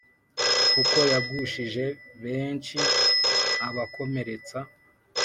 Kuko yagushije benshi abakomeretsa